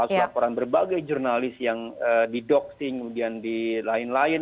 terus laporan berbagai jurnalis yang di doxing kemudian di lain lain